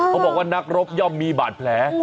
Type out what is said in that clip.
บอกว่านักรบย่อมมีบาดแผล